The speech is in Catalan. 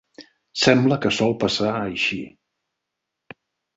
Sembla que sol passar així